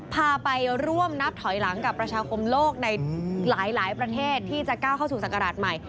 พาไปร่วมนับถอยหลังกับประชาคมโลกในหลายประเทศที่จะก้าวเข้าสู่ศักราชใหม่